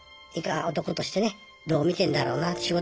男としてねどう見てんだろうなって。